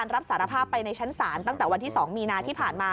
รับสารภาพไปในชั้นศาลตั้งแต่วันที่๒มีนาที่ผ่านมา